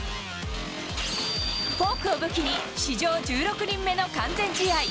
フォークを武器に、史上１６人目の完全試合。